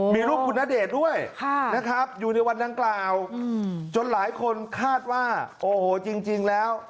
มีรูปคุณณเดชน์ด้วยนะครับอยู่ในวันดังกล่าวจนหลายคนคาดว่าโอ้โหจริงแล้ว